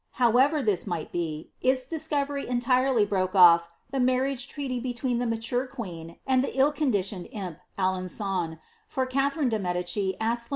However this might be, its discovery entirely broke o£ riage treaiy between the mature queen, and the iII co]iditi< Alen^on, for Catherine Je Medicis causud Lu